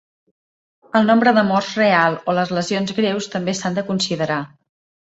El nombre de morts real o les lesions greus també s'han de considerar.